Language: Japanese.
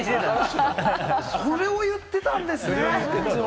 それを言ってたんですね。